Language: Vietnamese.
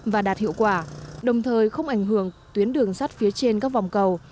và đạt hiệu quả đồng thời không ảnh hưởng tuyến đường sắt phía trên các vòng cầu